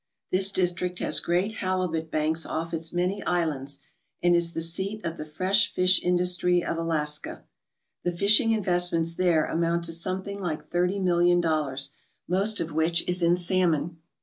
This district has great halibut banks off its many islands and is the seat of the fresh fish industry of Alaska* The fishing investments there amount to some thing like thirty million dollars, most of which is in salmon.